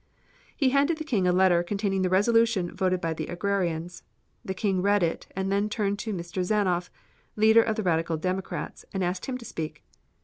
He handed the King a letter containing the resolution voted by the Agrarians. The King read it and then turned to M. Zanoff, leader of the Radical Democrats, and asked him to speak.